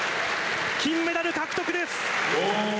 金メダル獲得です！